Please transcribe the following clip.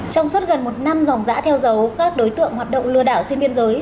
trong suốt gần một năm dòng dã theo dấu các đối tượng hoạt động lừa đảo trên biên giới